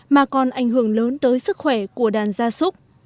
mà còn ảnh hưởng lớn tới sức khỏe của đàn gia súc